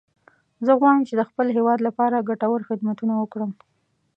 زه غواړم چې د خپل هیواد لپاره ګټور خدمتونه وکړم